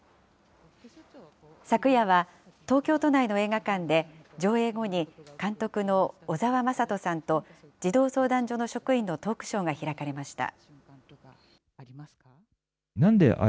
昨夜は東京都内の映画館で、上映後に監督の小澤雅人さんと、児童相談所の職員のトークショーが開かれました。